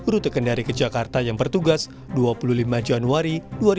rute kendari ke jakarta yang bertugas dua puluh lima januari dua ribu dua puluh